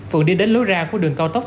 phượng đi đến lối ra của đường cao tốc